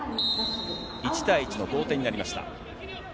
１対１、同点になりました。